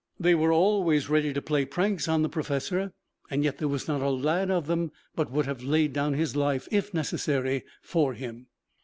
They were always ready to play pranks on the professor, yet there was not a lad of them but would have laid down his life, if necessary, for him.